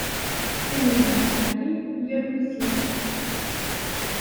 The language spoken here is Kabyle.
Win ibɣan Aɛli, yarew-it-id!